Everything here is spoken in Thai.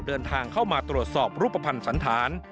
เดินทางเข้ามาตรวจสอบรูปภัณฑ์สันธาร